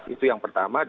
itu yang pertama